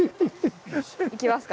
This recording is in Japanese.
いきますか。